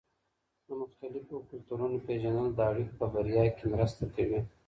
د مختلفو کلتورونو پېژندل د اړيکو په بریا کې مرسته کوي.